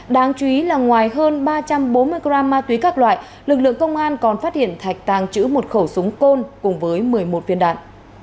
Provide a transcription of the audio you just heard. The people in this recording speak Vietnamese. đáng chú ý là ngoài hơn ba trăm bốn mươi g ma túy các loại lực lượng công an còn phát hiện thạch tàng trữ một khẩu súng côn cùng với một mươi một viên đạn